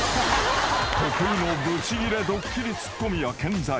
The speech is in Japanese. ［得意のブチギレドッキリツッコミは健在］